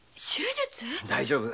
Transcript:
大丈夫。